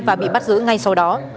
và bị bắt giữ ngay sau đó